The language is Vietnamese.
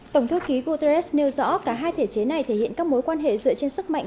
tổng thư ký guterres nêu rõ cả hai thể chế này thể hiện các mối quan hệ dựa trên sức mạnh